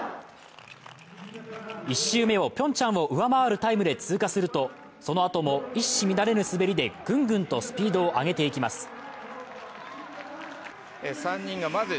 １周目をピョンチャンを上回るタイムで通過するとそのあとも一糸乱れぬ滑りでグングンとスピードを上げていきます。